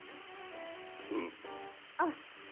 うん。あっ。